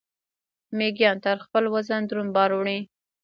میږیان تر خپل وزن دروند بار وړي